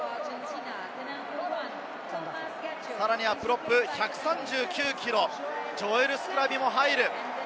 さらにはプロップ、１３９ｋｇ、ジョエル・スクラビも入る。